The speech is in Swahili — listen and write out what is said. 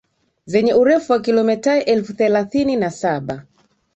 zenye urefu wa kilomitae elfu thelathini na saba